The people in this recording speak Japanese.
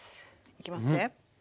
いきますね。